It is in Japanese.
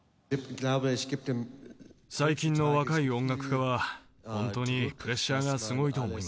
最近の若い音楽家は本当にプレッシャーがすごいと思います。